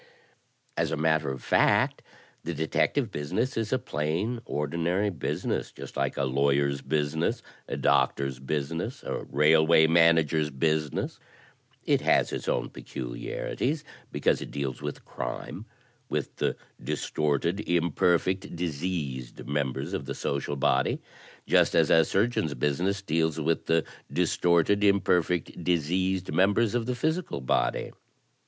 "As a matter of fact the detective business is a plain ordinary business, just like a lawyer's business, a doctor's business, a railway manager's business. It has its own peculiarities because it deals with crime, with the distorted, imperfect, diseased members of the social body, just as a surgeon's business deals with the distorted, imperfect, diseased members of the physical body.